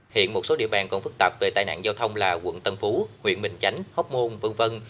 hiện một số địa bàn còn phức tạp về tai nạn giao thông là quận tân phú huyện bình chánh hóc môn v v